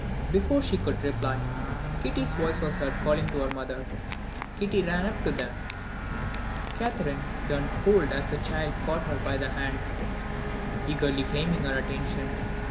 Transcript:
Before she could reply, Kitty's voice was heard calling to her mother Kitty ran up to them. Catherine turned cold as the child caught her by the hand, eagerly claiming her attention.